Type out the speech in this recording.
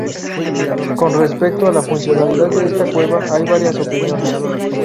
Con respecto a la funcionalidad de esta cueva hay varias opiniones.